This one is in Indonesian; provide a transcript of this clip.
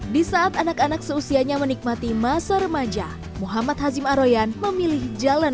di saat anak anak seusianya menikmati masa remaja muhammad hazim aroyan memilih jalan